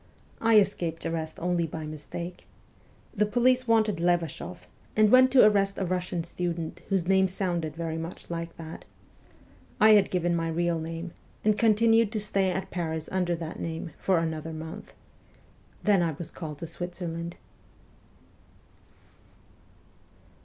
I escaped arrest only by mistake. The police wanted Levashoff, and went to arrest a Russian student whose name sounded very much like that. I had given my real name, and continued to stay at Paris under that name for another month. Then I was called to Switzerland.